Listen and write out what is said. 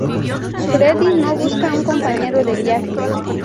Freddy no busca un compañero de viaje.